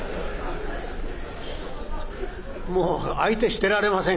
もう相手してられません